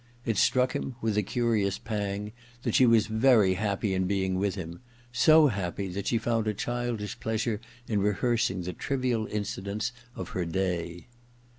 It struck him, with a curious pang, that she was very happy in being with him, so happy that she found a childish pleasure in rehearsing the trivial incidents of her day.